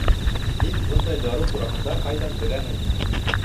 Һин бындай дарыу тураһында ҡайҙан беләһең?